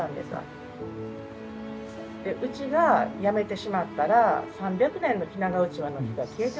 うちがやめてしまったら３００年の日永うちわの灯が消えて。